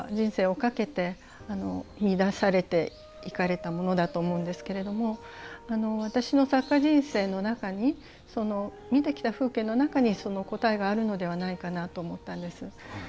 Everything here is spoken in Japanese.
見いだされていかれたものだと思うんですけれども私の作家人生の中にその見てきた風景の中にその答えがあるのではないかなと思ったんです。